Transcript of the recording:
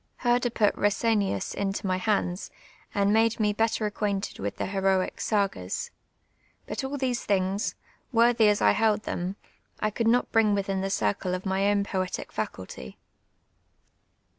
Herder put llesenius into my hands, and nuule me better acquainteil with the luToic sn(/(is. Hut all these things, worthy as I held them, 1 coidd not bring Mithin the circle of my own poetic faculty.